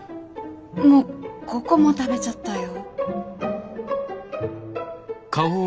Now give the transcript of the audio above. もう５個も食べちゃったよ。